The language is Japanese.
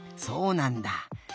そうなんだ。